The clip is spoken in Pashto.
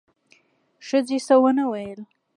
ښځې څه ونه ویل: